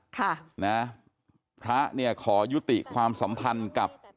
ค่ะนะพระเนี่ยขอยุติความสัมพันธ์กับ